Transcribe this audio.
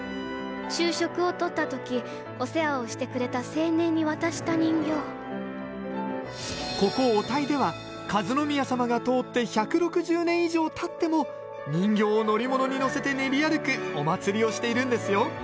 昼食をとった時お世話をしてくれた青年に渡した人形ここ小田井では和宮さまが通って１６０年以上たっても人形を乗り物に乗せて練り歩くお祭りをしているんですよ